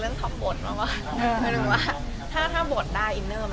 เรื่องมันต้องทำกันได้ไหม